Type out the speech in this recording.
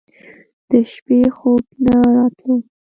د شپې خوب نه راتلو.